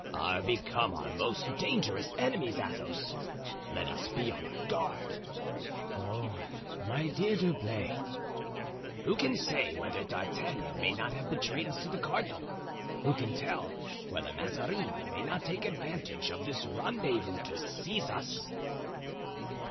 "Are become our most dangerous enemies, Athos. Let us be on our guard." "Oh! my dear D'Herblay!" "Who can say whether D'Artagnan may not have betrayed us to the cardinal? who can tell whether Mazarin may not take advantage of this rendezvous to seize us?"